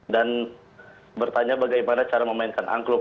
dan bertanya bagaimana cara memainkan angklung